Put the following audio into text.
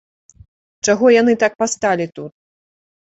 Чаго яны так пасталі тут?